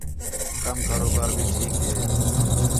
کم کاروبار بھی ٹھیک ہِے